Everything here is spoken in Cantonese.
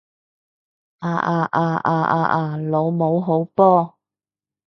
啊啊啊啊啊啊！老母好波！